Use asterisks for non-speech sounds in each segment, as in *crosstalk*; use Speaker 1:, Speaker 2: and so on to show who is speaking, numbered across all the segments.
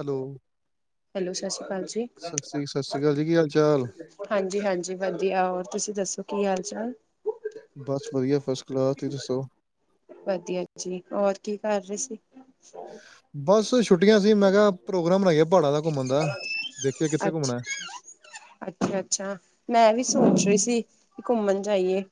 Speaker 1: Hello
Speaker 2: hello, ਸ਼ਸ਼ਰੀ ਕਾਲ ਜੀ।
Speaker 1: ਸਤਿ ਸ੍ਰੀ ਸਤਿ ਸ਼੍ਰੀ ਅਕਾਲ ਜੀ ਕੀ ਹਾਲ ਚਾਲ
Speaker 2: ਹਾਂਜੀ-ਹਾਂਜੀ ਵਦੀਆ, ਹੋਰ ਤੁਸੀ ਦੱਸੋ ਕੀ ਹਾਲ-ਚਾਲ?
Speaker 1: ਵਦੀਆ, ਫਸਟ ਕਲਾਸ, ਤੁਸੀ ਦੱਸੋ?
Speaker 2: ਵਦੀਆ ਜੀ, ਹੋਰ ਕੀ ਕਰ ਰੇ ਸੀ?
Speaker 1: ਬਸ ਛੁੱਟੀਆਂ ਸੀ, ਮੈਂ ਕਯਾ ਪ੍ਰੋਗਰਾਮ ਬਨਾਈਏ ਪਾੜਾਂ ਦਾ ਘੁੰਮਣ ਦਾ ਦੇਖੀਏ ਕਿੱਥੇ
Speaker 2: ਅੱਛ,
Speaker 1: ਘੁੰਮਣਾ ਹੈ
Speaker 2: ਅੱਛਾ-ਅੱਛਾ ਮੈਂ ਵੀ ਸੋਚ ਰੀ ਸੀ ਘੁੰਮਣ ਜਾਈਏ।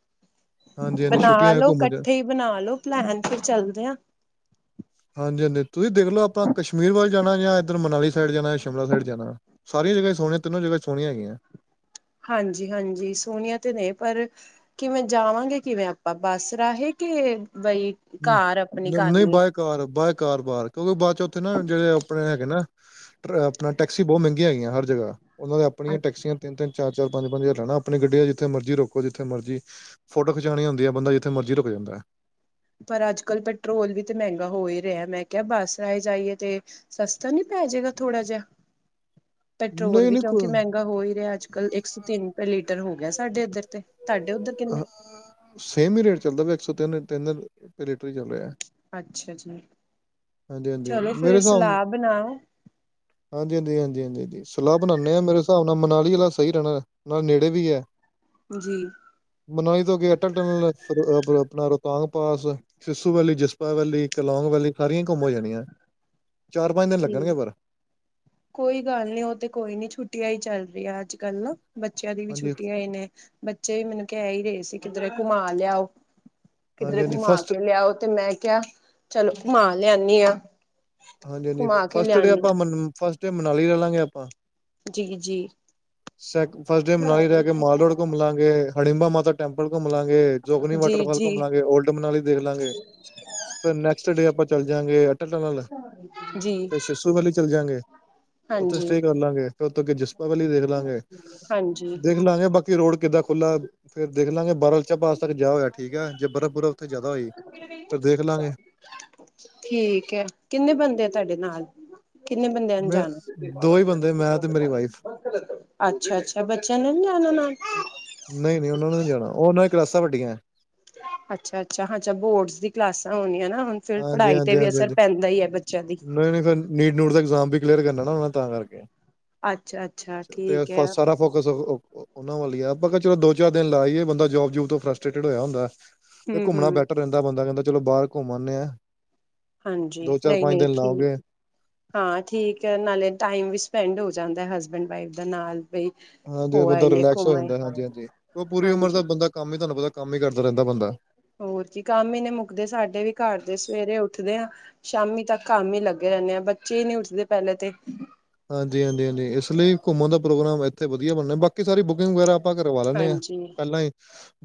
Speaker 1: ਹਾਂਜੀ ਹਾਂਜੀ
Speaker 2: ਬਨਾ
Speaker 1: ਛੁੱਟੀਆਂ ਹੈ
Speaker 2: ਲੋ,
Speaker 1: ਘੁੰਮਣ ਚ
Speaker 2: ਕੱਠੇ ਈ ਬਨਾ ਲੋ ਪਲੈਨ, ਫੇਰ ਚੱਲਦੇ ਆ।
Speaker 1: *unintelligible* ਤੁਹੀ ਦੇਖਲੋ ਆਪਾ ਕਸ਼ਮੀਰ ਵੱਲ ਜਾਨਾ ਯਾ ਇੱਧਰ ਮਨਾਲੀ ਸਾਈਡ ਜਾਨਾ ਯਾ ਸ਼ਿਮਲਾ ਸਾਈਡ ਜਾਨਾ, ਸਾਰੀਆ ਜਗਾ ਸੋਨੀਆਂ, ਤਿੰਨੋ ਜਗਾ ਸੋਨੀਆਂ ਹੈਗੀਐ।
Speaker 2: ਹਾਂਜੀ, ਹਾਂਜੀ ਸੋਨੀਆਂ ਤੇ ਨੇ, ਪਰ ਕਿਵੇਂ, ਜਾਵਾਂਗੇ ਕਿਵੇਂ ਆਪਾ? ਬੱਸ ਰਾਹੇ ਕੇ
Speaker 1: ਹੂੰ, ਨਈ ਬਾਏ ਕਾਰ, ਬਾਏ ਕਾਰ ਬਾਰ ਕਿਉਂਕਿ ਬਾਦ ਚ ਉੱਥੇ ਨਾ ਜੇੜੇ ਆਪਨੇ ਹੈਗੇ ਨਾ, ਆਪਨਾ ਟੈਕਸੀ ਬੋਤ ਮੈਂਗੀਆਂ ਹੈਗੀਆਂ ਹਰ ਜਗਾ ਓਨਾ ਦੇ ਆਪਨੀਆ ਟੈਕਸੀਆਂ ਤਿੰਨ-ਤਿੰਨ, ਚਾਰ ਚਾਰ, ਪੰਜ-ਪੰਜ ਜ਼ਾਰ ਲੈਨਾ ਆਪਨੀ ਗੱਡੀ ਦਾ, ਜਿਥੇ ਮਰਜ਼ੀ ਰੋਕੋ, ਜਿਥੇ ਮਰਜ਼ੀ ਫੋਟੋ ਖਿਚਾਨੀ ਹੁੰਦੀ ਏ ਬੰਦਾ, ਜਿੱਥੇ ਮਰਜ਼ੀ ਰੁਕ ਜਾਂਦਾ। *inaudible*
Speaker 2: ਪਰ ਅੱਜ-ਕੱਲ ਪੈਟਰੋਲ ਵੀ ਤੇ ਮੈਂਗਾ ਹੋ ਈ ਰਿਆ, ਮੈ ਕਿਆ ਬੱਸ ਆਏ-ਜਾਈਏ ਤੇ ਸਸਤਾ ਨੀ ਪੈਜੇਗਾ ਥੋੜਾ ਜਿਆ।
Speaker 1: *unintelligible*
Speaker 2: ਪੈਟਰੋਲ
Speaker 1: ਨਹੀਂ
Speaker 2: ਵੀ
Speaker 1: ਨਹੀਂ
Speaker 2: ਕਿਉਂਕਿ
Speaker 1: ਕੋਈ
Speaker 2: ਮਹਿੰਗਾ ਹੋ ਹੀ ਰਿਹਾ, ਅੱਜ-ਕੱਲ੍ਹ ਇੱਕ ਸੌ ਤਿੰਨ ਰੁਪਏ ਲੀਟਰ ਹੋ ਗਿਆ ਸਾਡੇ ਇੱਧਰ ਤੇ ਤੁਹਾਡੇ ਉੱਧਰ ਕਿੰਨੇ
Speaker 1: ਹ ਸੇਮ ਹੀ ਰੇਟ ਚੱਲਦਾ ਪਿਆ, ਇੱਕ ਸੌ ਤਿੰਨ-ਤਿੰਨ ਚ
Speaker 2: ਅੱਛਾ ਜੀ
Speaker 1: ਹਾਂਜੀ-ਹਾਂਜੀ
Speaker 2: ਚਲੋ
Speaker 1: ਮੇਰੇ
Speaker 2: ਫਿਰ
Speaker 1: ਹਿਸਾਬ
Speaker 2: ਸਲਾਹ ਬਣਾਓ
Speaker 1: ਹਾਂਜੀ-ਹਾਂਜੀ-ਹਾਂਜੀ-ਹਾਂਜੀ ਹਾਂ ਸਲਾਹ ਬਣਾਦੇ ਆ, ਮੇਰੇ ਹਿਸਾਬ ਨਾਲ ਮਨਾਲੀ ਅਲਾ ਸਹੀ ਰਹਿਣਾ ਨਾਲ ਨੇੜੇ ਵੀ ਹੈ
Speaker 2: ਜੀ।
Speaker 1: ਮਨੋਈ ਤੋਂ ਗ ਅਟਲ ਟਨਲ ਆਪਣਾ ਰੋਹਤਗਾਸ ਪਾਸ ਸਿਸੂ ਵੈਲੀ ਜਿਸਪਾ ਵੈਲੀ ਕ ਲੋਂਗ ਵੈਲੀ ਸਾਰੀਆਂ ਘੁੰਮ ਹੋ ਜਾਣੀਆਂ। ਚਾਰ ਪੰਜ ਦਿਨ ਲੱਗਣਗੇ
Speaker 2: ਹੂੰ
Speaker 1: ਪਰ
Speaker 2: ਕੋਈ ਗੱਲ ਨੀ, ਉਹ ਤੇ ਕੋਈ ਨੀ ਛੁੱਟੀਆਂ ਹੀ ਚੱਲ ਰਹੀਆਂ ਅੱਜ-ਕੱਲ ਨਾ ਬੱਚਿਆਂ ਦੀ ਵੀ
Speaker 1: ਹਾਂਜੀ
Speaker 2: ਛੁੱਟੀ ਹੋਈ ਨੇ ਬੱਚੇ ਵੀ ਮੈਨੂੰ ਕਹਿ ਹੀ ਰਹੇ ਸੀ, ਕਿੱਧਰੇ ਘੁਮਾ ਲਿਆ ਉਹ
Speaker 1: ਹਾਂਜੀ
Speaker 2: ਕਿਧਰੇ
Speaker 1: ਹਾਂਜੀ
Speaker 2: ਘੁਮਾ
Speaker 1: ਫਸਟ
Speaker 2: ਕੇ ਲਿਆਓ, ਤੇ ਮੈਂ ਕਿਹਾ ਚਲੋ ਘੁਮਾ ਲਿਆਨੀ ਆ
Speaker 1: ਹਾਂਜੀ-ਹਾਂਜੀ,
Speaker 2: ਘੁਮਾ ਕੇ
Speaker 1: ਫਸਟ ਡੇ
Speaker 2: ਲਿਆਨੀ
Speaker 1: ਆਪਾਂ
Speaker 2: ਆ
Speaker 1: ਫਸਟ ਡੇ ਮਨਾਲੀ ਰਵਾਗੇ ਆਪਾਂ
Speaker 2: ਜੀ-ਜੀ।
Speaker 1: ਸ ਫਸਟ ਡੇ ਮਨਾਲੀ ਰਹਿ ਕੇ ਮਾਲ ਰੋੜ ਘੁੰਮ ਲਾਂਗੇ, ਹੜਿੰਬਾ ਮਾਤਾ ਟੈਂਪਲ ਘੁੰਮ ਲਾਂਗੇ ਜੋਗਨੀ
Speaker 2: ਜੀ
Speaker 1: ਵਾਟਰਫਾਲ
Speaker 2: ਜੀ
Speaker 1: ਘੁੰਮ ਲਾਂਗੇ, ਓਲਡ ਮਨਾਲੀ ਦੇਖ ਲਾਂਗੇ ਫੇਰ ਨੈਕਸਟ ਡੇ ਆਪਾਂ ਚੱਲ ਜਾਂਗੇ ਨਾਲ ਲ
Speaker 2: ਜੀ
Speaker 1: ਫੇਰ ਸਿਸੂ ਵਾਲੀ ਚੱਲ ਜਾਂਗੇ, ਉੱਥੇ
Speaker 2: ਹਾਂਜੀ
Speaker 1: ਸਟੇ ਕਰ ਲਾਂਗੇ ਫੇਰ ਉਥੋਂ ਅੱਗੇ ਜਸਪਾ ਵਾਲੀ ਦੇਖ ਲਾਂਗੇ
Speaker 2: ਹਾਂਜੀ
Speaker 1: ਦੇਖ ਲਾਂਗੇ, ਬਾਕੀ ਰੋਡ ਕਿੱਦਾਂ ਖੁੱਲਾ ਫੇਰ ਦੇਖ ਲਾਂਗੇ ਬਾਰਲ ਚ ਪਾਸ ਤੱਕ ਜਾ ਹੋਇਆ ਠੀਕ ਹੈ, ਜੇ ਬਰਫ਼-ਬੁਫ਼ਰ ਉੱਥੇ ਜ਼ਿਆਦਾ ਹੋਈ ਫਿਰ ਦੇਖ ਲਾਂਗੇ
Speaker 2: ਠੀਕ ਹੈ, ਕਿੰਨੇ ਬੰਦੇ ਆ ਤੁਹਾਡੇ ਨਾਲ? ਕਿੰਨੇ ਬੰਦਿਆਂ ਨੂੰ
Speaker 1: ਮੈਂ
Speaker 2: ਜਾਣਾ
Speaker 1: ਦੋ ਹੀ ਬੰਦੇ ਮੈਂ ਤੇ ਮੇਰੀ ਵਾਈਫ
Speaker 2: ਅੱਛਾ-ਅੱਛਾ ਬੱਚਿਆਂ ਨੇ ਜਾ ਨਾਲ
Speaker 1: ਨਹੀਂ-ਨਹੀਂ, ਉਹਨਾਂ ਨੂੰ ਨਹੀਂ ਜਾਣਾ ਉਹਨਾਂ ਦਿਆਂ ਕਲਾਸਾਂ ਵੱਡੀਆਂ
Speaker 2: ਅੱਛਾ-ਅੱਛਾ, ਹਾਂ ਚ ਬੋਰਡਸ ਦੀ ਕਲਾਸਾਂ ਹੋਣੀਆਂ ਨਾ ਹੁਣ ਫਿਰ ਪੜ੍ਹਾਈ ਤੇ ਵੀ ਅਸਰ
Speaker 1: ਹਾਂਜੀ-ਹਾਂਜੀ-ਹਾਂਜੀ-ਹਾਂਜੀ
Speaker 2: ਪੈਂਦਾ ਹੀ ਹੈ ਬੱਚਿਆਂ ਦੀ
Speaker 1: ਨਹੀਂ-ਨਹੀਂ ਫਿਰ ਨੀਟ ਨੂਟ ਦਾ ਇਗਜ਼ਾਮ ਵੀ ਕਲੀਅਰ ਕਰਨਾ ਨਾ ਤਾਂ ਕਰਕੇ
Speaker 2: ਅੱਛਾ ਅੱਛਾ
Speaker 1: ਤੇ
Speaker 2: ਠੀਕ ਹੈ
Speaker 1: ਸਾਰਾ ਫੋਕਸ ਉਹਨਾਂ ਵੱਲ ਹੀ ਆ ਆਪਾਂ ਚਲੋ ਦੋ ਚਾਰ ਦਿਨ ਲਾਈਏ ਬੰਦਾ ਜੋਬ ਜੂਬ ਤੋਂ ਫਰਸਟੇਟਡ ਹੋਇਆ ਹੁੰਦਾ
Speaker 2: ਹਮ
Speaker 1: ਘੁੰਮਣਾ
Speaker 2: ਹਮ
Speaker 1: ਬੈਟਰ ਰਹਿੰਦਾ ਬੰਦਾ ਕਹਿੰਦਾ ਚਲੋ ਬਾਹਰ ਘੁੰਮ ਆਉਂਦੇ ਆ
Speaker 2: ਹਾਂਜੀ
Speaker 1: ਦੋ ਚਾਰ ਪੰਜ
Speaker 2: ਨਹੀਂ-ਨਹੀਂ
Speaker 1: ਦਿਨ ਲਾਓਗੇ
Speaker 2: ਠੀਕ ਹਾਂ ਠੀਕ ਨਾਲੇ ਟਾਈਮ ਵੀ ਸਪੈਂਡ ਹੋ ਜਾਂਦਾ ਹਸਬੈਂਡ ਵਾਈਫ ਦਾ ਨਾਲ ਬਈ
Speaker 1: ਹਾਂਜੀ
Speaker 2: ਹੋ
Speaker 1: ਬੰਦਾ
Speaker 2: ਆਈਏ
Speaker 1: ਰਿਲੈਕਸ ਹੋ
Speaker 2: ਘੁੰਮ ਆਏ
Speaker 1: ਜਾਂਦਾ ਹਾਂਜੀ-ਹਾਂਜੀ ਉਹ ਪੂਰੀ ਉਮਰ
Speaker 2: ਹਾਂਜੀ
Speaker 1: ਦਾ ਬੰਦਾ ਕੰਮ ਹੀ ਤੁਹਾਨੂੰ ਪਤਾ ਕੰਮ ਹੀ ਕਰਦਾ ਰਹਿੰਦਾ ਬੰਦਾ
Speaker 2: ਹੋਰ ਕੀ ਕੰਮ ਹੀ ਨੇ ਮੁੱਕਦੇ ਸਾਡੇ ਵੀ ਘਰ ਦੇ ਸਵੇਰੇ ਉੱਠਦੇ ਆ ਸ਼ਾਮੀ ਤੱਕ ਕੰਮ ਹੀ ਲੱਗੇ ਰਹਿੰਦੇ ਆ ਬੱਚੇ ਹੀ ਨੀ ਉੱਠਦੇ ਪਹਿਲੇ ਤੇ
Speaker 1: ਹਾਂਜੀ-ਹਾਂਜੀ-ਹਾਂਜੀ ਇਸ ਲਈ ਘੁੰਮਣ ਦਾ ਪ੍ਰੋਗਰਾਮ ਇੱਥੇ ਵਧੀਆ ਬਣਨਾ ਬਾਕੀ ਸਾਰੀ ਬੁਕਿੰਗ ਵਗੈਰਾ ਆਪਾਂ ਕਰਵਾ ਲੈਂਦੇ ਹਾਂ
Speaker 2: ਹਾਂਜੀ
Speaker 1: ਪਹਿਲਾਂ ਹੀ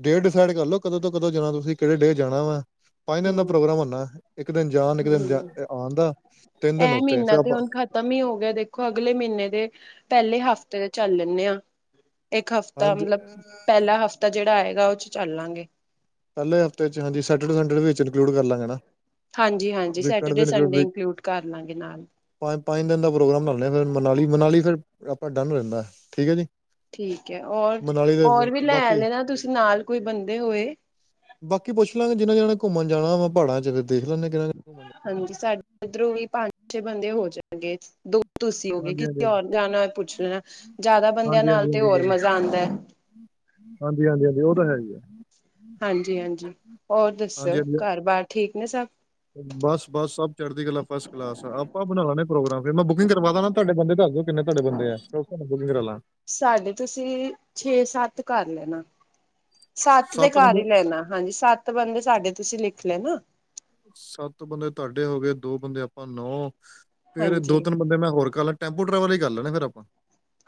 Speaker 1: ਡੇਟ ਡਿਸਾਈਡ ਕਰਲੋ ਕਦੋਂ ਤੋਂ ਕਦੋਂ ਜਾਣਾ ਤੁਸੀਂ ਕਿਹੜੇ ਡੇਟ ਜਾਣਾ ਵਾ ਪੰਜ ਦਿਨ ਦਾ
Speaker 2: ਹੂੰ
Speaker 1: ਪ੍ਰੋਗਰਾਮ ਹੁੰਦਾ ਇੱਕ ਦਿਨ ਜਾਣ ਇੱਕ ਦਿਨ
Speaker 2: ਹੂੰ
Speaker 1: ਆਣ ਦਾ ਤਿੰਨ ਦਿਨ
Speaker 2: ਇਹ
Speaker 1: ਉੱਥੇ
Speaker 2: ਮਹੀਨਾ
Speaker 1: ਫਿਰ
Speaker 2: ਤੇ
Speaker 1: ਆਪਾਂ
Speaker 2: ਹੁਣ ਖਤਮ ਹੀ ਹੋ ਦੇਖੋ ਅਗਲੇ ਮਹੀਨੇ ਦੇ ਪਹਿਲੇ ਹਫ਼ਤੇ ਦੇ ਚੱਲ ਲੈਂਦੇ ਆ ਇੱਕ ਹਫਤਾ
Speaker 1: ਹਾਂਜੀ
Speaker 2: ਮਤਲਬ ਪਹਿਲਾ ਹਫਤਾ ਜਿਹੜਾ ਆਏਗਾ ਉਹ ਚ ਚੱਲਾਂਗੇ
Speaker 1: ਪਹਿਲੇ ਹਫ਼ਤੇ ਚ ਹਾਂਜੀ ਸੈਡੇ ਸਨਡੇ ਵਿੱਚ ਇੰਕਲੂਡ ਕਰ ਲਾਂਗੇ ਨਾ
Speaker 2: ਹਾਂਜੀ-ਹਾਂਜੀ
Speaker 1: ਵੀਕਐਂਡ ਵੀ
Speaker 2: ਸੈਟਰਡੇ ਸੰਡੇ
Speaker 1: ਇਨਕਲੂਡ
Speaker 2: ਇੰਕਲੂਡ ਕਰ ਲਾਂਗੇ ਨਾਲ
Speaker 1: ਪੰਜ ਪੰਜ ਦਿਨ ਦਾ ਪ੍ਰੋਗਰਾਮ ਬਣਾਉਂਦੇ ਹਾਂ ਫਿਰ ਮਨਾਲੀ-ਮਨਾਲੀ ਫਿਰ ਆਪਾਂ ਡਨ ਰਹਿੰਦਾ ਠੀਕ ਹੈ ਜੀ।
Speaker 2: ਠੀਕ ਹੈ
Speaker 1: ਮਨਾਲੀ
Speaker 2: ਹੋਰ-ਹੋਰ
Speaker 1: ਦੇ
Speaker 2: ਵੀ ਲੈ
Speaker 1: ਬਾਕੀ
Speaker 2: ਲੈਣਾ ਤੁਸੀਂ ਨਾਲ ਕੋਈ ਬੰਦੇ ਹੋਏ
Speaker 1: ਬਾਕੀ ਪੁੱਛ ਲਾਂਗੇ ਜਿਨਾ ਜਾਣੇ ਘੁੰਮਣ ਜਾਣਾ ਵੈਂ ਪਹਾੜਾਂ ਚ ਜਰ ਦੇਖਲਾਂ ਕਿ
Speaker 2: ਚੇ ਬੰਦੇ ਹੋ ਜਾਣਗੇ ਦੋ ਤੁਸੀਂ ਹੋਗੇਏ
Speaker 1: ਹਾਂਜੀ
Speaker 2: ਕਿ
Speaker 1: ਹਾਂਜੀ
Speaker 2: ਹੋਰ ਜਾਣਾ ਹੋ ਪੁੱਛ ਲੈਣਾ ਜ਼ਿਆਦਾ ਬੰਦਿਆਂ ਨਾਲ ਤੇ ਹੋਰ ਮਜ਼ਾ ਆਉਂਦਾ ਹੈ।
Speaker 1: ਹਾਂਜੀ-ਹਾਂਜੀ-ਹਾਂਜੀ ਉਹ ਤਾਂ ਹੈ ਹੀ ਆ
Speaker 2: ਹਾਂਜੀ-ਹਾਂਜੀ ਹੋਰ ਦੱਸੋ ਘਰ ਬਾਰ ਠੀਕ ਨੇ ਸਭ।
Speaker 1: ਬਸ-ਬਸ ਸਭ ਚੜ੍ਹਦੀ ਗੱਲਾਂ ਫਸਟ ਕਲਾਸ ਆ ਆਪਾਂ ਬਣਾ ਲੈਣੇ ਪ੍ਰੋਗਰਾਮ ਫੇਰ ਮੈਂ ਬੁਕਿੰਗ ਕਰਵਾ ਦਣਾ ਤੁਹਾਡੇ ਬੰਦੇ ਦਸਦੋ
Speaker 2: ਸਾਡੇ ਤੁਸੀਂ ਛੇ ਸੱਤ ਕਰ ਲੈਣਾ ਸੱਤ ਤੇ ਕਰ ਹੀ ਲੈਣਾ ਹਾਂਜੀ ਸੱਤ ਬੰਦੇ ਸਾਡੇ ਤੁਸੀਂ ਲਿਖ। ਲੈਣਾ।
Speaker 1: ਸੱਤ ਬੰਦੇ ਤੁਹਾਡੇ ਹੋ ਗਏ ਦੋ ਬੰਦੇ ਆਪਾਂ ਨੌ। ਫੇਰ ਦੋ
Speaker 2: ਹਾਂਜੀ
Speaker 1: ਤਿੰਨ ਬੰਦੇ ਮੈਂ ਹੋਰ ਕਰ ਲੈ ਟੈਂਪੂ ਟਰੈਵਲ ਹੀ ਕਰ ਲੈਣਾ ਫੇਰ ਆਪਾਂ।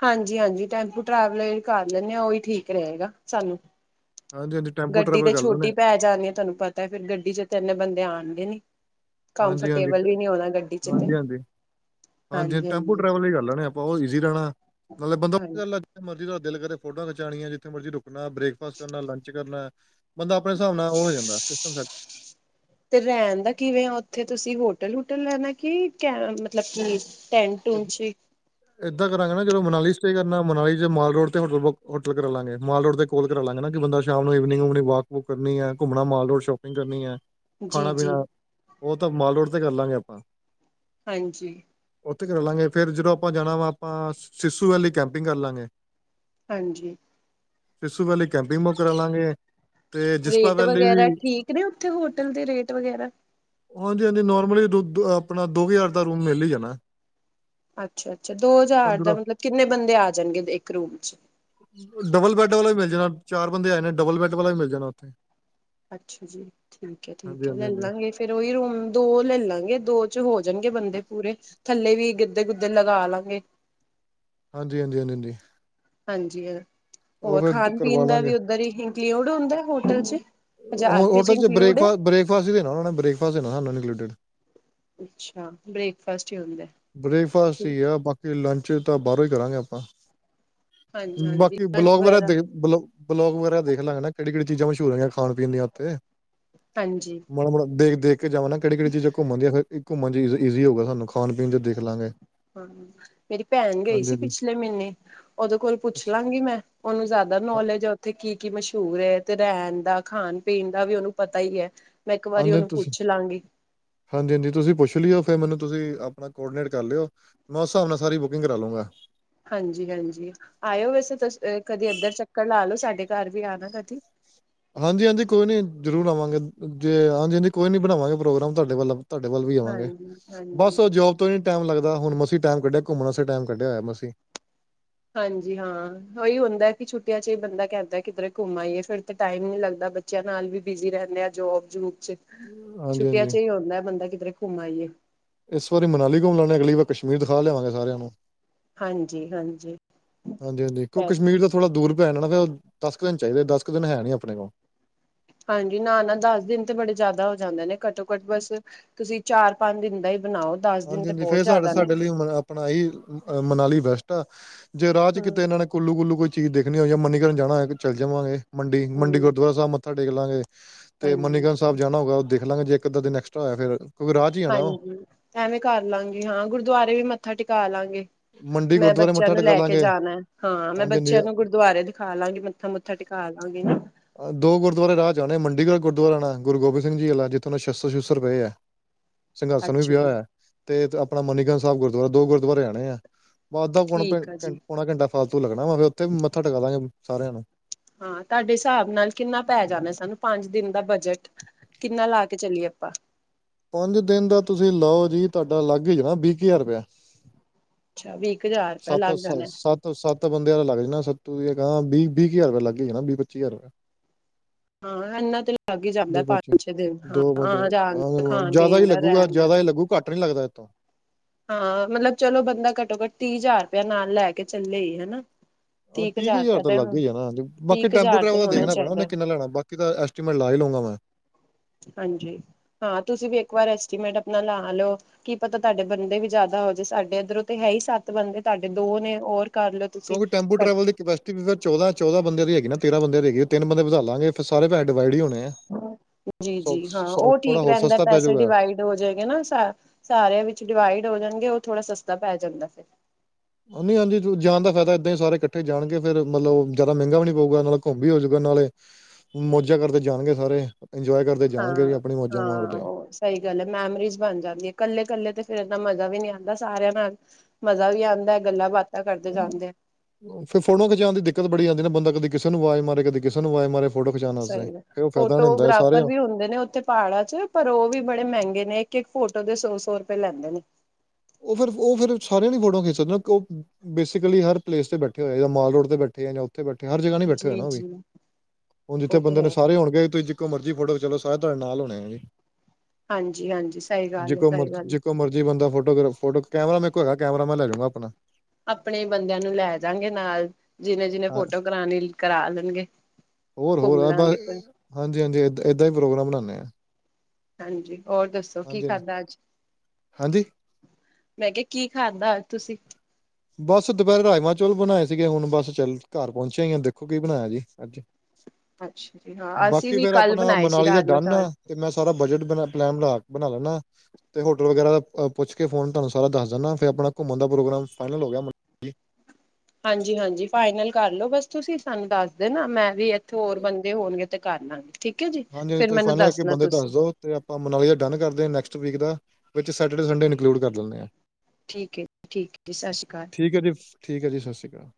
Speaker 2: ਹਾਂਜੀ ਹਾਂਜੀ ਟੈਂਪੂ ਟਰੈਵਲ ਕਰ ਲੈਂਦੇ ਆ ਉਹੀ ਠੀਕ ਰਹੇਗਾ ਸਾਨੂੰ।
Speaker 1: ਹਾਂਜੀ ਹਾਂਜੀ ਟੈਂਪੂ
Speaker 2: ਗੱਡੀ
Speaker 1: ਟਰੈਵਲ
Speaker 2: ਤੇ
Speaker 1: ਕਰ
Speaker 2: ਛੋਟੀ
Speaker 1: ਲੈਣੇ
Speaker 2: ਪੈ ਜਾਣੀ ਆ ਤੁਹਾਨੂੰ ਪਤਾ ਫੇਰ ਗੱਡੀ ਚ ਤਿੰਨ ਬੰਦੇ ਆਉਣਗੇ ਨੀ।
Speaker 1: ਹਾਂਜੀ ਹਾਂਜੀ
Speaker 2: ਕੰਫਰਟੇਬਲ ਵੀ
Speaker 1: ਟ-
Speaker 2: ਨੀ ਹੋਣਾ ਗੱਡੀ ਚ ਤੇ।
Speaker 1: ਹਾਂਜੀ ਹਾਂਜੀ ਹਾਂਜੀ ਟੈਂਪੂ ਟਰੈਵਲ ਕਰ ਲੈਣੇ ਆਪਾਂ ਉਹ ਈਜ਼ੀ ਰਹਿਣਾ ਨਾਲੇ ਬੰਦਾ
Speaker 2: ਹਾਂਜੀ
Speaker 1: ਮਰਜ਼ੀ। ਦਿਲ ਕਰੇ ਫੋਟੋਆਂ ਖਿਚਾਣੀਆਂ ਜਿੱਥੇ ਮਰਜ਼ੀ ਰੁਕਣਾ ਬ੍ਰੇਕਫਾਸਟ ਕਰਨਾ ਲੰਚ ਕਰਨਾ। ਬੰਦਾ ਆਪਣੇ ਹਿਸਾਬ ਨਾਲ ਉਹ ਹੋ ਜਾਂਦਾ ਸਿਸਟਮ ਸੈਟ।
Speaker 2: ਤੇ ਰਹਿਣ ਦਾ ਕਿਵੇਂ ਆ ਉੱਥੇ ਤੁਸੀਂ ਹੋਟਲ ਹੁਟਲ ਲੈਣਾ ਕੀ ਕ ਮਤਲਬ ਕਿ ਟੈਂਟ ਟੁੱਨਟ ਚ ਹੀ।
Speaker 1: ਏਦਾਂ ਕਰਾਂਗੇ ਨਾ ਜਦ ਮਨਾਲੀ ਸਟੇ ਕਰਨਾ ਮਨਾਲੀ ਚ ਮਾਲ ਰੋਡ ਤੇ ਹੋਟਲ ਬ ਹੋਟਲ ਕਰਾ ਲਾਂਗੇ ਮਾਲ ਰੋਡ ਤੇ ਕੋਲ ਕਰ ਲਵਾਂਗੇ ਨਾ ਕਿ ਬੰਦਾ। ਸ਼ਾਮ ਨੂੰ ਈਵਨਿੰਗ ਉਵਨਿੰਗ ਵਾਕ ਵੂਕ ਕਰਨੀ ਹੈ ਘੁੰਮਣਾ ਮਾਲ ਰੋਡ ਸ਼ੋਪਿੰਗ ਕਰਨੀ ਹੈ।
Speaker 2: ਜੀ
Speaker 1: ਖਾਣਾ
Speaker 2: ਜੀ।
Speaker 1: ਪੀਣਾ ਉਹ ਤਾਂ ਮਾਲ ਰੋਡ ਤੇ ਕਰ ਲਾਂਗੇ ਆਪਾਂ।
Speaker 2: ਹਾਂਜੀ
Speaker 1: ਉਥੇ ਕਰ ਲਾਂਗੇ ਫਿਰ ਜਦੋਂ ਆਪਾਂ ਜਾਣਾ ਵਾ ਆਪਾਂ ਸਿਸੂ ਵੱਲ ਹੀ ਕੈਪਿੰਗ ਕਰ ਲਾਂਗੇ।
Speaker 2: ਹਾਂਜੀ
Speaker 1: ਸਿਸੂ ਵਾਲੀ ਕੈਂਪਿੰਗ ਮ ਕਰਾ ਲਾਂਗੇ *unintelligible* ਜਿਸਪਾ
Speaker 2: ਰੇਟ
Speaker 1: ਵੈਲੀ ਵੀ
Speaker 2: ਵਗੈਰਾ ਠੀਕ ਨੇ ਉੱਥੇ ਹੋਟਲ ਦੇ ਰੇਟ ਵਗੈਰਾ।
Speaker 1: ਹਾਂਜੀ ਹਾਂਜੀ ਨੋਰਮਲੀ ਦ ਆਪਣਾ ਦੋ ਕੁ ਹਜ਼ਾਰ ਦਾ ਰੂਮ ਮਿਲ ਹੀ ਜਾਣਾ।
Speaker 2: ਅੱਛਾ ਅੱਛਾ ਦੋ ਹਜ਼ਾਰ ਦਾ
Speaker 1: ਪੰਦਰਾਂ
Speaker 2: ਮਤਲਬ ਕਿੰਨੇ ਬੰਦੇ ਆ ਜਾਣਗੇ ਇੱਕ ਰੂਮ ਚ।
Speaker 1: ਡਬਲ ਬੈੱਡ ਵਾਲਾ ਵੀ ਮਿਲ ਜਾਣਾ ਚਾਰ ਬੰਦੇ ਆ ਜਾਣੇ ਡਬਲ ਬੈੱਡ ਵਾਲਾ ਵੀ ਮਿਲ ਜਾਣਾ ਉੱਥੇ।
Speaker 2: ਅੱਛਾ ਜੀ ਠੀਕ ਹੈ
Speaker 1: ਹਾਂਜੀ
Speaker 2: ਠੀਕ ਹੈ
Speaker 1: ਹਾਂਜੀ
Speaker 2: ਲੈ
Speaker 1: ਹਾਂਜੀ
Speaker 2: ਲਾਂਗੇ ਫੇਰ ਉਹੀ ਰੂਮ ਦੋ ਲੈ ਲਾਂਗੇ ਦੋ ਚ ਹੋ ਜਾਣਗੇ। ਬੰਦੇ ਪੂਰੇ ਥੱਲੇ ਵੀ ਗੱਦੇ ਗੁਦੇ ਲਗਾ ਲਾਂਗੇ।
Speaker 1: ਹਾਂਜੀ ਹਾਂਜੀ ਹਾਂਜੀ ਹਾਂਜੀ।
Speaker 2: ਹਾਂਜੀ ਹਾਂ
Speaker 1: ਉਹ
Speaker 2: ਹੋਰ
Speaker 1: ਫਿਰ
Speaker 2: ਖਾਣ
Speaker 1: ਕਰਵਾ
Speaker 2: ਪੀਣ ਦਾ
Speaker 1: ਲਾਂਗੇ
Speaker 2: ਵੀ ਉੱਧਰ ਹੀ ਇੰਕਲਊਡ ਹੁੰਦਾ ਹੋਟਲ ਚ।
Speaker 1: ਹੋ
Speaker 2: ਹਜ਼ਾਰ ਰੁਪਏ 'ਚ
Speaker 1: ਹੋਟਲ '
Speaker 2: ਇੰਕਲੂਡ ਏ।
Speaker 1: ਬ੍ਰੇਕਫਾਸਟ ਬ੍ਰੇਕਫਾਸਟ ਹੀ ਦੇਣਾ ਉਹਨਾਂ ਨੇ ਬ੍ਰੇਕਫਾਸਟ ਦੇਣਾ ਸਾਨੂੰ ਇਨਕਲੂਡਿਡ।
Speaker 2: ਅੱਛਾ ਬ੍ਰੇਕਫਾਸਟ ਹੀ। ਹੁੰਦਾ।
Speaker 1: ਬ੍ਰੇਕਫਾਸਟ ਹੀ ਆ ਬਾਕੀ ਲੰਚ ਤਾਂ ਬਾਹਰੋਂ ਹੀ ਕਰਾਂਗੇ ਆਪਾਂ।
Speaker 2: ਹਾਂਜੀ-ਹਾਂਜੀ
Speaker 1: ਬਾਕੀ
Speaker 2: ਲੰਚ
Speaker 1: ਬਲੋਗ ਵਗੈਰਾ ਦੇਖਲੋ ਬਲੋਗ ਵਗੈਰਾ ਦੇਖ ਲਾਂਗੇ ਨਾ ਕਿਹੜੀ ਕਿਹੜੀ ਚੀਜ਼ਾਂ। ਝੂਰੀਆਂ ਖਾਣ ਪੀਣ ਦੀ ਉਥੇ
Speaker 2: ਹਾਂਜੀ।
Speaker 1: ਮਾੜਾ ਮੁੜਾ ਦੇਖ ਦੇਖ ਕੇ ਜਾਵਾਂ ਨਾ ਕਿਹੜੀ ਕਿਹੜੀ ਚੀਜ਼ਾਂ ਘੁੰਮਣ ਦੀਆਂ ਫਿਰ। ਘੁੰਮਣ ਚ ਇਜ਼ੀ ਹੋਊਗਾ ਸਾਨੂੰ ਖਾਣ ਪੀਣ ਚ ਦੇਖ ਲਾਂਗੇ।
Speaker 2: ਹਾਂ ਮੇਰੀ ਭੈਣ ਗਈ
Speaker 1: ਹਾਂਜੀ
Speaker 2: ਸੀ
Speaker 1: ਹਾਂਜੀ
Speaker 2: ਪਿਛਲੇ ਮਹੀਨੇ ਉਹਦੇ ਕੋਲ ਪੁੱਛ
Speaker 1: ਅੱਛਾ
Speaker 2: ਲਾਂਗੀ ਮੈਂ ਉਹਨੂੰ ਜ਼ਿਆਦਾ।
Speaker 1: ਹਾਂ-
Speaker 2: ਨੌਲੇਜ ਹੈ ਉੱਥੇ ਕੀ ਕੀ ਮਸ਼ਹੂਰ ਹੈ ਤੇ ਰਹਿਣ ਦਾ ਖਾਣ ਪੀਣ ਦਾ ਵੀ ਉਹਨੂੰ ਪਤਾ ਹੀ ਹੈ। ਮੈਂ ਇੱਕ ਵਾਰੀ
Speaker 1: ਹ
Speaker 2: ਉਹਨੂੰ
Speaker 1: ਤੁਸੀਂ
Speaker 2: ਪੁੱਛ ਲਾਂਗੀ
Speaker 1: ਹਾਂਜੀ ਹਾਂਜੀ ਤੁਸੀਂ ਪੁੱਛ ਲਓ ਫੇਰ ਮੈਨੂੰ। ਤੁਸੀਂ ਆਪਣਾ ਕੋਰਡੀਨੇਟ ਕਰ ਲਿਓ ਮੈਂ ਉਸ ਹਿਸਾਬ ਨਾਲ ਸਾਰੀ ਬੁਕਿੰਗ ਕਰਾ ਲੂੰਗਾ।
Speaker 2: ਹਾਂਜੀ ਹਾਂਜੀ ਆਇਓ ਵੈਸੇ ਤੁ ਕਦੀ ਇੱਧਰ ਚੱਕਰ ਲਾ ਲਓ ਸਾਡੇ ਘਰ ਵੀ ਆਣਾ ਕਦੀ।
Speaker 1: ਹਾਂਜੀ ਹਾਂਜੀ ਕੋਈ ਨਹੀਂ ਜ਼ਰੂਰ ਆਵਾਂਗੇ ਜੇ ਹਾਂਜੀ ਹਾਂਜੀ ਕੋਈ ਨਹੀਂ ਬਣਾਵਾਂਗੇ ਪ੍ਰੋਗਰਾਮ ਤੁਹਾਡੇ ਵੱਲ। ਤੁਹਾਡੇ ਵੱਲ ਵੀ ਆਵਾਂਗੇ
Speaker 2: ਹਾਂਜੀ ਹਾਂਜੀ
Speaker 1: ਬਸ ਉਹ ਜੋਬ ਤੋਂ ਹੀ ਟਾਈਮ ਲੱਗਦਾ। ਹੁਣ ਮਸੀ ਟਾਈਮ ਕੱਢਿਆ ਘੁੰਮਣਸ ਟਾਈਮ ਕੱਢਿਆ ਹੋਇਆ ਮਸੀ।
Speaker 2: ਹਾਂਜੀ ਹਾਂ ਉਹੀ ਹੁੰਦਾ ਕਿ ਛੁੱਟੀਆਂ ਚ ਬੰਦਾ ਕਹਿੰਦਾ ਕਿਧਰੇ ਘੁੰਮ ਆਈਏ ਫਿਰ ਤੇ ਟਾਈਮ ਨਹੀਂ ਲੱਗਦਾ। ਬੱਚਿਆਂ ਨਾਲ ਵੀ ਬਿਜ਼ੀ ਰਹਿੰਦੇ ਆ ਜੋਬ ਜੂਬ।
Speaker 1: ਹਾਂਜੀ
Speaker 2: ਛੁੱਟੀਆਂ
Speaker 1: ਹਾਂਜੀ
Speaker 2: ਚ ਹੀ ਆਉਂਦਾ ਬੰਦਾ ਕਿਧਰੇ ਘੁੰਮ ਆਈਏ।
Speaker 1: ਇਸ ਵਾਰੀ ਮਨਾਲੀ ਘੁੰਮ ਲੇਂਦੇ ਅਗਲੀ ਵਾਰ ਕਸ਼ਮੀਰ ਦਿਖਾ ਲਿਆਵਾਂਗੇ ਸਾਰਿਆਂ ਨੂੰ।
Speaker 2: ਹਾਂਜੀ ਹਾਂਜੀ
Speaker 1: ਹਾਂਜੀ ਹਾਂਜੀ ਇੱਕੋ
Speaker 2: ਇਹ
Speaker 1: ਕਸ਼ਮੀਰ ਤਾ ਥੋੜ੍ਹਾ ਦੂਰ। ਪੈਣ ਫਿਰ ਦਸ ਕੁ ਦਿਨ ਚਾਹੀਦੇ ਦਸ ਕੁ ਦਿਨ ਹੈ ਨੀ ਆਪਣੇ ਕੋਲ *unintelligible*
Speaker 2: ਹਾਂਜੀ ਨਾ ਨਾ ਦਸ ਦਿਨ ਤੇ ਬੜੇ ਜ਼ਿਆਦਾ ਹੋ ਜਾਂਦੇ ਨੇ ਘੱਟੋ ਘੱਟ ਬਸ ਤੁਸੀਂ ਚਾਰ ਪੰਜ ਦਿਨ ਦਾ ਹੀ। ਬਣਾਓ ਦਸ ਦਿਨ
Speaker 1: ਹਾਂਜੀ
Speaker 2: ਤੇ
Speaker 1: ਹਾਂਜੀ
Speaker 2: ਬਹੁਤ
Speaker 1: ਫੇਰ ਸਾਡੇ
Speaker 2: ਜ਼ਿਆਦਾ ਨੇ
Speaker 1: ਸਾਡੇ ਲਈ ਆਪਣਾ ਹੀ ਮਨਾਲੀ ਬੈਸਟ ਆ ਜੇ ਰਾਹ ਚ
Speaker 2: ਹਮ
Speaker 1: ਕਿਤੇ ਇਹਨਾਂ ਨੇ ਕੁੱਲੂ ਕੁੱਲੂ ਕੋਈ ਚੀਜ਼ ਦੇਖਣੀ ਹੋਈ ਜਾਂ ਮੰਨੀੀਰਨ ਜਾਣਾ ਹੋ ਚੱਲ ਜਾਵਾਂਗੇ ਮੰਡੀ ਮੰਡੀ
Speaker 2: ਹਮ
Speaker 1: ਗੁਰਦੁਆਰਾ ਸਾਹਿਬ ਮੱਥਾ ਟੇਕ ਲਾਂਗੇ ਤੇ
Speaker 2: ਹਾਂਜੀ
Speaker 1: ਮੰਨੀਗੰ ਸਾਹਿਬ ਜਾਣਾ ਹੋਊਗਾ ਦੇਖ ਲਾਂਗੇ ਜੇ ਅੱਧਾ ਦਿਨ ਐਕਸਟਰਾ ਹੋਇਆ ਫਿਰ ਕਿਕਈ ਰਾਹ ਚ ਹੀ ਜਾਣਾ ਉਹ
Speaker 2: ਹਾਂਜੀ ਐਵੇਂ ਕਰ ਲਾਂਗੇ ਹਾਂ ਗੁਰਦੁਆਰੇ ਵੀ ਮੱਥਾ ਟਿਕਕਾ ਲਾਂਗੇ
Speaker 1: ਮੰਡੀ
Speaker 2: ਮੈਂ
Speaker 1: ਗੁਰਦੁਆਰੇ
Speaker 2: ਬੱਚਿਆਂ
Speaker 1: ਮੱਥਾ
Speaker 2: ਨੂੰ
Speaker 1: ਟੇਕਾ
Speaker 2: ਲੈ ਕੇ
Speaker 1: ਲਾਂਗੇ
Speaker 2: ਜਾਣਾ ਹਾਂ ਮੈਂ
Speaker 1: ਹਾਂਜੀ ਹਾਂਜੀ
Speaker 2: ਬੱਚਿਆਂ ਨੂੰ ਗੁਰਦੁਆਰੇ ਦਿਖਾ ਲਾਂਗੀ ਮੱਥਾ ਮੁੱਥਾ ਟੇਕ ਕਾ ਲਵਾਂਗੇ
Speaker 1: ਦੋ ਗੁਰਦਆ ਰਾਹੁੰਦੇ ਮੰਡੀਗੜ ਗੁਰਦੁਆਰਾ ਨਾ ਗੁਰੂ ਗੋਬਿੰਦ ਸਿੰਘ ਜੀ ਅ ਜਿੱਥੋਂ ਛੱ ਛੁਸਰ ਪਏ ਹੈ ਸੰਘਰਸ਼ ਨੂੰ ਵੀ
Speaker 2: ਅੱਛਾ ਜੀ
Speaker 1: ਵਿਆਹਇ ਤੇ ਆਪਣਾ ਮਨੀਗੰ ਸਾਹਿਬ ਗਦੁਆਰਾ ਦੋ ਗੁਰਦਆਰੇ ਆਣੇ ਆ ਵੱਧਾ ਪੌਣਾ
Speaker 2: ਠੀਕ ਆ
Speaker 1: ਘ
Speaker 2: ਜੀ
Speaker 1: ਪੌਣਾ ਘੰਟਾ ਫਾਲਤੂ ਲੱਗਣਾ ਵਾ ਫਿਰ ਉੱਥੇ ਮੱਥਾ ਟੇਕ ਦਾਂਗੇ ਸਾਰਿਆਂ ਨੂੰ
Speaker 2: ਹਾਂ ਤੁਹਾਡੇ ਹਿਸਾਬ ਨਾਲ ਕਿੰਨਾ ਪੈ ਜਾਣਾ ਸਾਨੂੰ ਪੰਜ ਦਿਨ ਦਾ ਬਜਟ ਕਿੰਨਾ ਲਾ ਕੇ ਚੱਲਏ ਆਪਾਂ
Speaker 1: ਪੰਜ ਦਿਨ ਦਾ ਤੁਸੀਂ ਲਓ ਜੀ ਤੁਹਾਡਾ ਲਲਗ ਜਾ ਨਾ ਵੀਹ ਕੁ ਹਜ਼ਾਰ ਰੁਪਇਆ
Speaker 2: ਅੱਛਾ ਵਖ
Speaker 1: ਸੱਤ ਸਤ ਸੱਤ ਸੱਤ ਸੱਤ ਬੰਦਿਆਂਾ ਲੱਗ ਜਾਣਾ ਸੱਤੂ ਦੀ ਕ ਵੀਹ ਵੀਹ ਕੁ ਹਜ਼ਾਰ ਰੁਪਇ ਲੱਗ ਹੀਈ ਜਾ ਨਾ ਵੀਹ ਪੱਚੀ ਹਜ਼ਾਰ
Speaker 2: ਹਾਂ ਇੰਨਾ ਤੇ ਲੱਗ ਹੀ ਜਾਂਦਾ
Speaker 1: ਰੁਪਆ
Speaker 2: ਪੰਜ ਛੇ ਦਿਨ ਹਾਂ
Speaker 1: ਦੋ
Speaker 2: ਆਣ ਜਾਣ ਦਾ
Speaker 1: ਮਤਲਬ
Speaker 2: ਖਾਣ
Speaker 1: ਜਿਆਦਾ ਹੀ
Speaker 2: ਪੀਣ ਦਾ
Speaker 1: ਲੱਗੂਗਾ
Speaker 2: ਰਹਿਣ ਦਾ
Speaker 1: ਜਿਆਦਾ ਹੀ ਲ ਗੂ ਘੱਟ ਨੀ ਲੱਗਦਾ ਇੱਥੋਂ
Speaker 2: ਹਾਂ ਮਤਲਬ ਚਲੋ ਬੰਦਾ ਘੱਟੋ ਘੱਟ ਤੀਹ ਹਜ਼ਾਰ ਰੁਪਇਆ ਨਾਲ ਲੈ ਕੇ ਚੱਲੇ ਹੀ ਹਨਾ
Speaker 1: ਹ
Speaker 2: ਤੀਹ
Speaker 1: ਤੀ ਕੁ
Speaker 2: ਰੁਪਇਆ
Speaker 1: ਹਜ਼ਾਰ
Speaker 2: ਤੇ
Speaker 1: ਲੱਗ
Speaker 2: ਹੁਣ
Speaker 1: ਹੀ ਜਾ ਨਾ
Speaker 2: ਤੀਹ
Speaker 1: ਬਾਕੀ
Speaker 2: ਕੁ
Speaker 1: ਟੈਂਪੂ
Speaker 2: ਹਜ਼ਾਰ
Speaker 1: ਟਰੈਵਲ
Speaker 2: ਤੇ
Speaker 1: ਦਾ
Speaker 2: ਹੋਣਾ
Speaker 1: ਦੇਖਣਾ ਪੈਣਾ ਉਹਨੇ
Speaker 2: ਚਾਹੀਦਾ
Speaker 1: ਕਿੰਨਾ ਲੈਣਾ ਬਾਕੀ ਤਾਂ ਐਸਟੀਮੇਟ ਲਾ ਹੀ ਮੈਂ
Speaker 2: ਹਾਂਜੀ ਹਾਂ ਤੁਸੀਂ ਵੀ ਇੱਕ ਵਾਰ ਐਸਟੀਮੇਟ ਆਪਣਾ ਲਾ ਲਓ ਕੀ ਪਤਾ ਤੁਹਾਡੇ ਬੰਦੇ ਵੀ ਜ਼ਿਆਦਾ ਜੇ ਸਾਡੇ ਇੱਧਰੋਂ ਤੇ ਹੈ ਹੀ ਸੱਤ ਬੰਦੇ ਤੁਹਾਡੇ ਦੋ ਨੇ ਹੋਰ ਕਰ ਲਓ ਤੁਸੀਂ
Speaker 1: ਕਿਉਂਕਿ ਟੈਂਪੂ ਟਰੈਵਲ ਦੀ ਕਪੈਸਿਟੀ ਵੀ ਫ ਚੌਦਾਂ ਚੌਦ ਬੰਦ ਦੀ ਹੈਗੀ ਨਾ ਤੇਰਾਂ ਬੰਦੇ ਰ ਗਏ ਤਿੰਨ ਬਦੇ ਵਧਾਵਾਂ ਫ ਸਾਰੇੈਸ ਡਿਵਾਡ ਹੀ ਹੋਣੇ ਆ
Speaker 2: ਜੀ ਜੀ
Speaker 1: ਸੌ
Speaker 2: ਹਾਂ
Speaker 1: ਸੌ
Speaker 2: ਉਹ
Speaker 1: ਥੋੜਾ
Speaker 2: ਠੀਕ
Speaker 1: ਹੋਰ
Speaker 2: ਰਹਿੰਦਾ
Speaker 1: ਸਸਤਾ ਪੈ
Speaker 2: ਪੈਸੇ
Speaker 1: ਜਾਊਗਾ
Speaker 2: ਡਿਵਾਈਡ ਹੋ ਜਾਏਗੇ ਨਾ ਸਾਰੇ ਵਿੱਚ ਡਿਵਾਈਡ ਹੋ ਜਾਣਗੇ ਉਹ ਥੋੜ੍ਹਾ ਸਸਤਾ ਪੈ ਜਾਂਦਾ ਫਿਰ
Speaker 1: ਨਹੀਂ ਹਾਂਜੀ ਜਾਣ ਦਾ ਫਾਇਦਾ ਇਏਦਾਂ ਹੀ ਸਾਰੇ ਇਕੱਠੇ ਜਾਣਗੇ ਫੇਿਰ ਮਤਲਬ ਜਿਆਦਾ ਮਹਿੰਗਾ ਵੀ ਨਹੀਂ ਪਊਗਾ ਨਾਲ ਘੁੰਮ ਵੀ ਹੋਜੂਗਾ ਨਾਲੇ ਮੌਜਾਂ ਕਰਦੇ ਜਾਣਗੇ ਸਾਰੇ ਇੰਜੋਏ ਕਰਦੇ ਜਾਣਗੇ
Speaker 2: ਹਾਂ
Speaker 1: ਜੀ, ਆਪਣੀ ਮੌਜਾਂ
Speaker 2: ਹਾਂ
Speaker 1: ਮਾਰਦੇ
Speaker 2: ਉਹ ਸਹੀ ਗੱਲ ਹੈ ਮੈਮਰੀਜ਼ ਬਣ ਜਾਂਦੀ ਹੈ ਇਕੱਲੇ ਇਕੱਲੇ ਤੇ ਫਿਰ ਇ ਮਜ਼ ਮਾ ਵੀ ਨੀ ਆਉਂਦਾ ਸਾਰਿਆਂ ਨਾਲ ਮਜ਼ਾ ਵੀ ਆਉਂਦਾ ਗੱਲਾਂ ਬਾਤ
Speaker 1: ਫਿਰ ਫੋਟੋਆਂ ਖਿਚਾਉਣ ਦੀ ਦਿੱਕਤ ਬੜੀ ਆਉਂਦੀ ਨਾ ਬੰਦਾ ਕਦੀ ਕਿਸੇ ਨੂੰ ਆਵਾਜ਼ ਮਾਰੇ ਕਦੀ ਕਿਸੇ ਨੂੰ ਆਵਾਜ਼ ਮਾਰੇ ਫੋਟੋ ਖਿਚਾਉਣ ਵਾਸਤੇ
Speaker 2: ਸਹੀ ਹੈ
Speaker 1: ਫਿਰ ਉਹ ਫਾਇਦਾ ਨਹੀਂ ਹੁੰਦਾ ਇਹ ਸਾਰੇ
Speaker 2: ਫੋਟੋਗ੍ਰਾਫਰ ਵੀ ਹੁੰਦੇ ਨੇ ਉੱਥੇ ਪਹਾੜਾਂ ਚ ਪਰ ਉਹ ਵੀ ਬੜੇ ਮਹਿੰਗੇ ਨੇ ਇੱਕ ਇੱਕ ਫੋਟੋ ਉਹਦੇ ਸੌ ਸੌ ਰੁਪਏ ਲੈਂਦੇ ਨੇ
Speaker 1: ਉਹ ਫਿਰ ਉਹ ਫਿਰ ਸਾਰਿਆਂ ਦੀ ਫੋਟੋ ਖਿੱਚ ਸਕਦੇ ਉਹ ਬੇਸਿਕਲੀ ਹਰ ਪਲੇਸ ਤੇ ਬੈਠੇ ਹੋ ਜਾਂ ਮਾਲ ਰੋਡ ਤੇ ਬੈਠੇ ਉੱਥੇ ਥ ਹਰ ਜਗ੍ਹਾੀ ਬੈਠੇ ਹੋਏ
Speaker 2: ਜੀ
Speaker 1: ਨਾ ਉਹ ਵੀ
Speaker 2: ਜੀ
Speaker 1: ਹੁਣ ਜਿੱਥੇ
Speaker 2: ਉਹ ਤੇ
Speaker 1: ਬੰਦੇ ਨੇ
Speaker 2: ਹੈ
Speaker 1: ਸਾਰੇ ਹੋਣਗੇ ਤੁਸੀਂ ਜੋ ਮਰਜ਼ੀ ਫੋਟੋ ਖਚਲੋ ਤੁਹਾਡੇ ਨਾਲ ਹੋਣੇ ਆ ਜੀ
Speaker 2: ਹਾਂਜੀ ਹਾਂਜੀ ਸਹੀ ਗੱਲ ਹੈ
Speaker 1: ਜਕੋ
Speaker 2: ਸਹੀ
Speaker 1: ਮਰਜ਼
Speaker 2: ਗੱਲ ਹੈ
Speaker 1: ਜਕੋ ਮਰਜੀੀ ਬੰਦਾ ਫੋਟ ਫੋ ਫੋ ਕੈਮਰਾ ਮੇ ਕੋ ਹੈਗਾ ਕੈਮਰਾੈਂ ਲੈਜਊਗਾ ਆਪਣਾ
Speaker 2: ਆਪਣੇ ਬੰਦਿਆਂ ਨੂੰ ਲੈ ਜਾਗੇ ਨਾਲ ਜਿਹਨੇ ਜਿਹਨੇ
Speaker 1: ਹਾਂ
Speaker 2: ਫੋਟੋ ਕਰਣੀ ਕਰਾ ਲਣਗੇ
Speaker 1: ਹੋਰ ਹੋਰ ਬ ਹਾਂਜੀ ਹਾਂਜੀ ਇ ਏਦਾਂ ਹੀ ਪ੍ਰੋਗਰਾਮ ਬਣਾਉਦੇ ਹਾਂ
Speaker 2: ਹਾਂਜੀ ਹੋਰ ਦੱਸੋ ਕੀ
Speaker 1: ਹਾਂਜੀ ਹਾਂਜੀ
Speaker 2: ਖਾਧਾ ਅੱਜ
Speaker 1: ਹਾਂਜੀ
Speaker 2: ਮੈਂ ਕਿਹਾ ਕੀ ਖਾਂਦਾਜ ਤੁਸੀਂ
Speaker 1: ਬਸ ਦੁਪਹਿਰੇ ਰਾਜਮਾਂ ਚੌਲ ਬਣਾਏ ਸੀਗੇ ਹੁਣ ਬਸ ਚੱਲ ਘਰ ਪਹੁੰਚਿਆ ਹੀ ਦੇਖੋ ਕੀ ਬਣਾਇਆ ਜੀ ਅੱਜ
Speaker 2: ਅੱਛਾ ਜੀ ਹਾਂ ਅਸੀਂ
Speaker 1: ਬਾਕੀ
Speaker 2: ਵੀ
Speaker 1: ਫੇਰ
Speaker 2: ਕੱਲ
Speaker 1: ਆਪਣਾ
Speaker 2: ਬਣਾਏ ਸੀ
Speaker 1: ਮਨਾਲੀ ਦਾ
Speaker 2: ਰਾਜਮਾਂ
Speaker 1: ਡਨ ਆ
Speaker 2: ਚਾਵਲ
Speaker 1: ਤੇ ਮੈਂ ਸਾਰਾ ਬਜਟ ਬਣਾ ਪਲੈਨ ਬਣਾ ਬਣਾ ਲੈਦਾ ਤੇ ਹੋਟਲ ਵਗੈਰਾ ਦਾਹ ਪੁੱਛ ਕੇ ਫ਼ੋਨ ਤੁਹਾਨੂੰ ਸਾਰਾ ਦੱਸ ਦਦਾ ਫਿਰ ਆਪਣਾ ਘੁੰਮਣ ਦਾ ਪ੍ਰੋਗਰਾਮ ਫਾਈਨਲ ਹੋ ਗਿਆ
Speaker 2: ਹਾਂਜੀ ਹਾਂਜੀ ਫਾਈਨਲ ਕਰਲੋ ਬਸ ਤੁਸੀਂ ਸਾਨੂੰ ਦੱਸਦੇ ਨਾ ਮੈਂ ਵੀ ਇੱਥੇ ਹੋਰ ਬੰਦੇ ਹੋਣਗੇ ਤੇ ਕਰਨਾ
Speaker 1: ਹਾਂਜੀ ਹਾਂਜੀ ਤੁਸੀਂ ਫਾਈਨਲ ਕਰਕੇ ਬੰਦੇ ਦੱਸ ਦੋ ਤੇ ਆਪਾਂ ਮਨਾਲੀ ਦਾ ਡਨ ਕਰਦੇ ਅ ਨੈਕਸਟ ਵੀਕ ਦਾ। ਵਿੱਚ ਸੈਟਰਡੇ ਸੰਡੇ ਇਨਕਲੂਡ ਕਰ ਲੈਣੇ ਆ।
Speaker 2: ਠੀਕ ਏ ਠੀਕ ਏ ਸਤਿ ਸ਼੍ਰੀ ਅਕਾਲ
Speaker 1: ਠੀਕ ਹੈ ਜੀ ਠੀਕ ਹੈ ਜੀ ਸਤਿ ਸ਼੍ਰੀ ਅਕਾਲ।